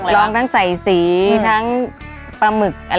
ร้องทั้งใส่สีทั้งปลาหมึก